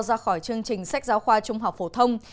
ra khỏi chương trình sách giáo khoa trung học phổ thông